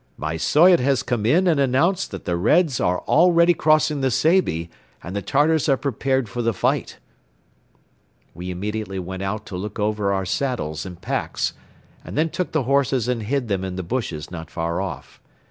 "My Soyot has come in and announced that the Reds are already crossing the Seybi and the Tartars are prepared for the fight." We immediately went out to look over our saddles and packs and then took the horses and hid them in the bushes not far off.